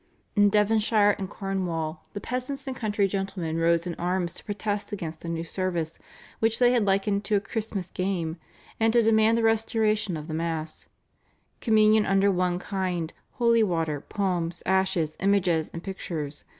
In Devonshire and Cornwall the peasants and country gentlemen rose in arms to protest against the new service which they had likened to a Christmas game, and to demand the restoration of the Mass, Communion under one kind, holy water, palms, ashes, images, and pictures.